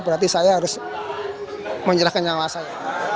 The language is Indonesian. berarti saya harus menyerahkan nyawa saya